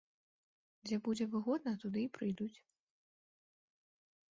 Дзе будзе выгодна туды і прыйдуць.